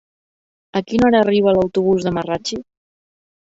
A quina hora arriba l'autobús de Marratxí?